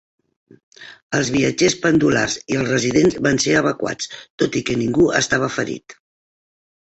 Els viatgers pendulars i els residents van ser evacuats, tot i que ningú estava ferit.